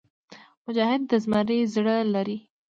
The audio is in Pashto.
مجاهد د زمري زړه لري.